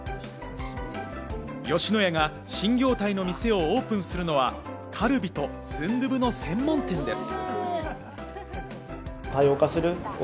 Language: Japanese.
吉野家が新業態の店をオープンするのは、カルビとスンドゥブの専門店です。